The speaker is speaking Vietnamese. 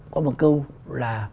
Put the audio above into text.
có một câu là